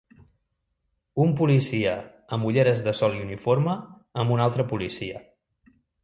Un policia amb ulleres de sol i uniforme amb un altre policia.